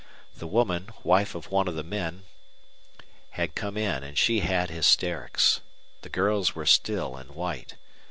The woman, wife of one of the men, had come in, and she had hysterics. The girls were still and white.